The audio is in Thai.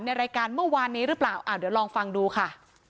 ในรายการเมื่อวานนี้หรือเปล่าเดี๋ยวลองฟังดูค่ะ